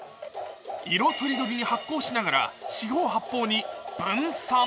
色とりどりに発光しながら四方八方に分散。